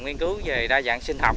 nghiên cứu về đa dạng sinh học